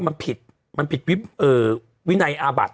ว่ามันผิดวินัยอาบัตร